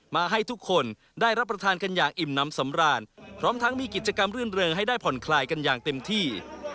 มาให้ทุกคนได้รับประทานกันอย่างอิ่มน้ำสำราญพร้อมทั้งมีกิจกรรมรื่นเริงให้ได้ผ่อนคลายกันอย่างเต็มที่